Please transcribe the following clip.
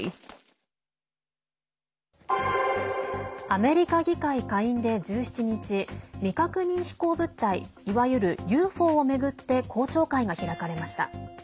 アメリカ議会下院で１７日未確認飛行物体いわゆるＵＦＯを巡って公聴会が開かれました。